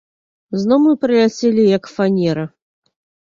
Зноў мы праляцелі, як фанера.